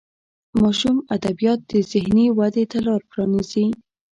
ماشوم ادبیات د ذهني ودې ته لار پرانیزي.